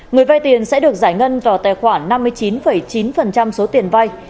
người vai tiền sẽ được giải ngân vào tài khoản năm mươi chín chín số tiền vai